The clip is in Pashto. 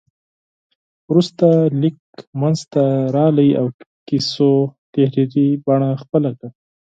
وروسته لیک منځته راغی او کیسو تحریري بڼه خپله کړه.